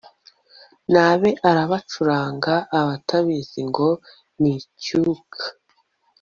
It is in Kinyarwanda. nabe arabacuranga Abatabizi ngo ni icyuka